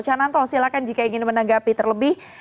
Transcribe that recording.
cananto silakan jika ingin menanggapi terlebih